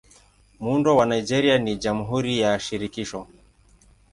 Muundo wa Nigeria ni Jamhuri ya Shirikisho.